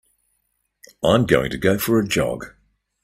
I'm going to go for a jog.